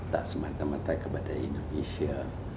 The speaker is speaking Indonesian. tak semata mata kepada indonesia